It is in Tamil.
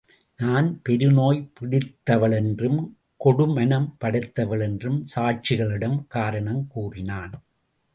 நான் பெருநோய் பிடித்தவளென்றும், கொடுமனம் படைத்தவளென்றும் சாட்சிகளிடம் காரணம் கூறினான்.